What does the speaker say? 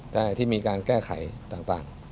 แต่ที่มีการแก้ไขต่าง